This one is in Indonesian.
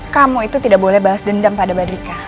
kamu itu tidak boleh bahas dendam pada badrika